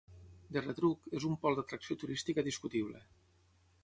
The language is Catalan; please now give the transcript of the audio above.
De retruc, és un pol d'atracció turística discutible.